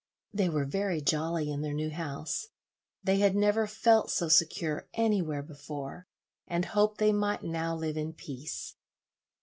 They were very jolly in their new house; they had never felt so secure anywhere before, and hoped they might now live in peace.